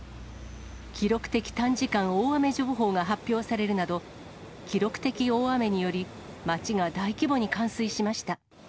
記録的短時間大雨情報が発表されるなど、記録的大雨により、町が大規模に冠水しました。